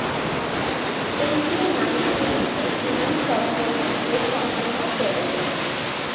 এশীয় নারীদের মধ্যে তিনিই সর্বপ্রথম এ সম্মাননা পেলেন।